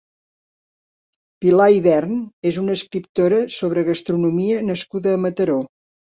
Pilar Ibern és una escriptora sobre gastronomia nascuda a Mataró.